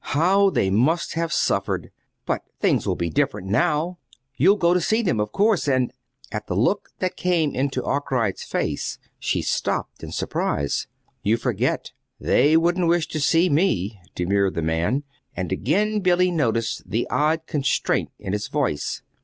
"How they must have suffered! But things will be different now. You'll go to see them, of course, and " At the look that came into Arkwright's face, she stopped in surprise. "You forget; they wouldn't wish to see me," demurred the man. And again Billy noticed the odd constraint in his voice.